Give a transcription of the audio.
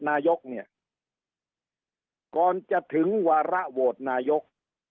โนยกเนี่ยก่อนจะถึงวารุะโนยก